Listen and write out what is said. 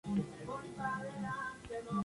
Es resistente a los herbicidas.